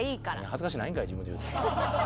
恥ずかしくないんかい自分で言うて。